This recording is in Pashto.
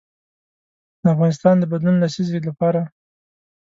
د افغانستان د بدلون لسیزې لپاره.